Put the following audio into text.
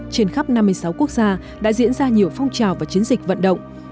trên khắp năm mươi sáu quốc gia đã diễn ra nhiều phong trào và chiến dịch vận động